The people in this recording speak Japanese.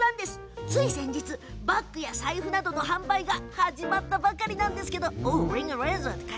つい先日、バッグや財布などの販売が始まったばかりなんです。